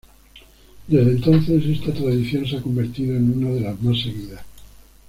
Desde entonces, esta tradición se ha convertido en una de las más seguidas.